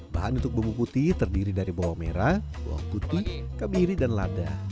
bahan untuk bumbu putih terdiri dari bawang merah bawang putih kebiri dan lada